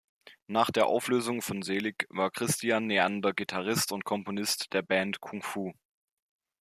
Nach der Auflösung von Selig war Christian Neander Gitarrist und Komponist der Band Kungfu.